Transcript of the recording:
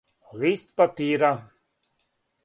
Лист папира.